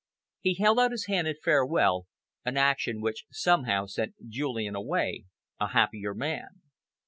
He held out his hand in farewell, an action which somehow sent Julian away a happier man.